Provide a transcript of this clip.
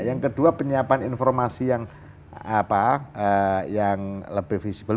yang kedua penyiapan informasi yang lebih visible